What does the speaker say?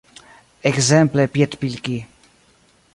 Ekzemple piedpilki.